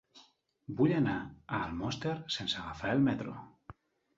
Vull anar a Almoster sense agafar el metro.